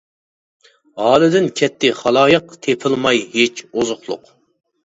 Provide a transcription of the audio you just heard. ھالىدىن كەتتى خالايىق، تېپىلماي ھېچ ئوزۇقلۇق.